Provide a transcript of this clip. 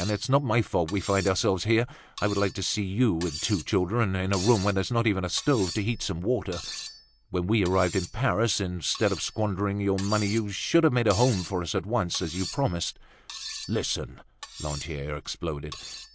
It's not my fault we find ourselves here. I would like to see you, with two children, in a room where there's not even a stove to heat some water. When we arrived in Paris, instead of squandering your money, you should have made a home for us at once, as you promised." "Listen!" Lantier exploded.